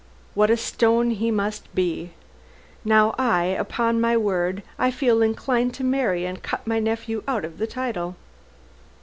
"What a stone he must be. Now I upon my word I feel inclined to marry and cut my nephew out of the title."